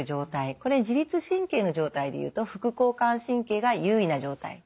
これ自律神経の状態でいうと副交感神経が優位な状態。